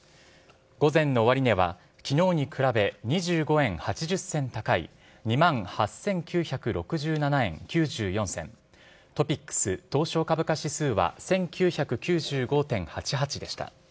午前の終値は昨日に比べ２５円８０銭高い２万８９６７円９４銭ＴＯＰＩＸ＝東証株価指数は１９９５．８８でした。